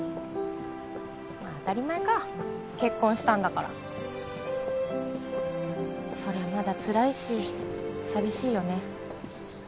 まあ当たり前か結婚したんだからそりゃまだつらいし寂しいよね